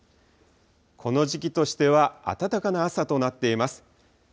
この時期としては暖かな朝となっています。